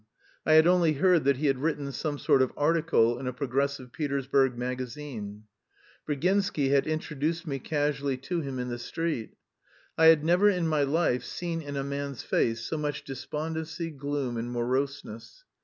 I had only heard that he had written some sort of article in a progressive Petersburg magazine. Virginsky had introduced me casually to him in the street. I had never in my life seen in a man's face so much despondency, gloom, and moroseness.